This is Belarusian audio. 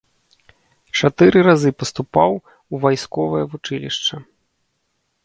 Чатыры разы паступаў у вайсковае вучылішча.